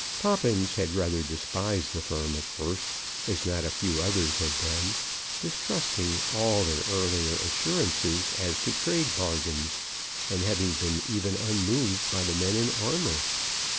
Poppins had rather despised the firm at first, as not a few others had done, distrusting all their earlier assurances as to trade bargains, and having been even unmoved by the men in armour.